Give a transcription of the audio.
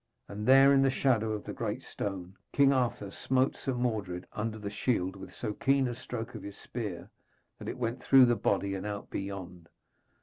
And there, in the shadow of the great stone, King Arthur smote Sir Mordred under the shield, with so keen a stroke of his spear that it went through the body and out beyond.